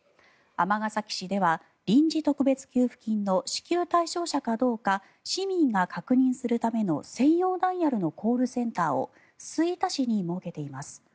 尼崎市では臨時特別給付金の支給対象者かどうか市民が確認するための専用ダイヤルのコールセンターを吹田市に設けています。